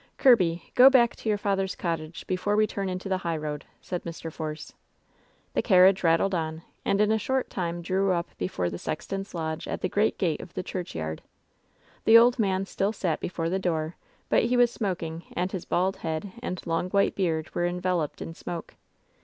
Kirby, go back to your father's cot tage before we turn into the highroad," said Mr. Force. The carriage rattled on, and in a short time drew up before the sexton's lodge at the great gate of the church yard. The old man still sat before the door; but he was smoking, and his bald head and long white beard were enveloped in smoke.